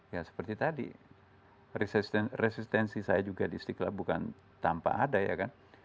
ya seperti tadi resistensi saya juga di istiqlal bukan tanpa ada ya kan